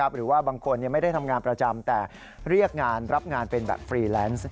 หรือว่าบางคนไม่ได้ทำงานประจำแต่เรียกงานรับงานเป็นแบบฟรีแลนซ์